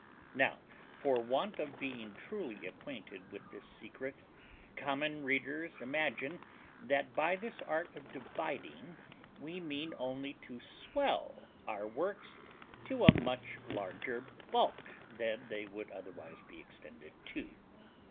Now, for want of being truly acquainted with this secret, common readers imagine, that by this art of dividing we mean only to swell our works to a much larger bulk than they would otherwise be extended to.